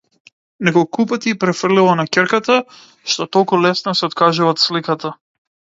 Неколупати ѝ префрлила на ќерката што толку лесно се откажува од сликата.